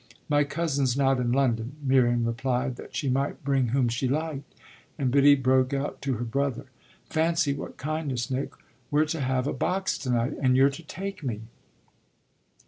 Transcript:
"My cousin's not in London." Miriam replied that she might bring whom she liked and Biddy broke out to her brother: "Fancy what kindness, Nick: we're to have a box to night and you're to take me!"